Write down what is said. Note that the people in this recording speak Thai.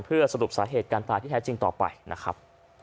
เพื่อสรุปสาเหตุการตายที่แท้จริงต่อไปนะครับ